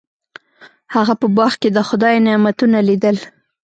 هغه په باغ کې د خدای نعمتونه لیدل.